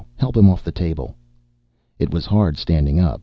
Help him off the table." It was hard standing up.